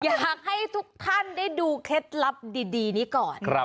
อยากให้ทุกท่านได้ดูเคล็ดลับดีนี้ก่อน